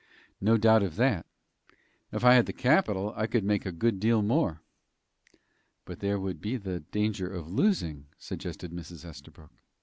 "No doubt of that. If I had the capital, I could make a good deal more." "But there would be the danger of losing," suggested Mrs. Estabrook.